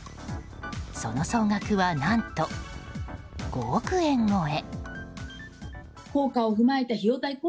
その総額は何と、５億円超え。